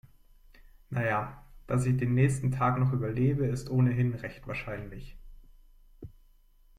Na ja, dass ich den nächsten Tag noch überlebe, ist ohnehin recht wahrscheinlich.